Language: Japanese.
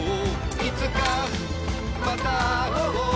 「いつかまた会おう」